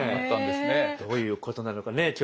どういうことなのかね